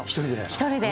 １人で？